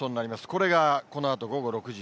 これがこのあと午後６時。